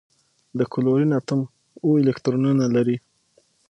د کلورین اتوم اوه الکترونونه لري.